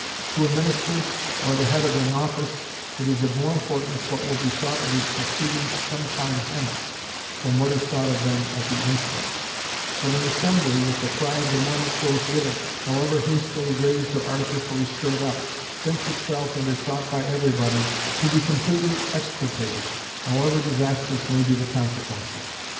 To a minister, or the head of an office, it is of more importance what will be thought of his proceedings some time hence, than what is thought of them at the instant; but an assembly, if the cry of the moment goes with it, however hastily raised or artificially stirred up, thinks itself and is thought by every body, to be completely exculpated, however disastrous may be the consequences.